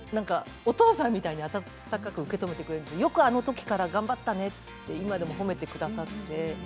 お父さんみたいに温かく受け止めてくれてよくあのときから頑張ったねって今でも褒めてくださって。